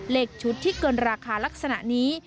เลขชุดที่เกินราคาลักษณะนี้